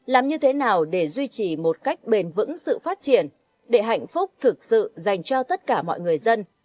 làm như thế nào để duy trì một cách bền vững sự phát triển để hạnh phúc thực sự dành cho tất cả mọi người dân